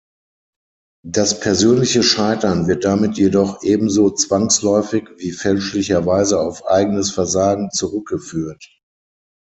Das persönliche Scheitern wird damit jedoch ebenso zwangsläufig wie fälschlicherweise auf eigenes Versagen zurückgeführt.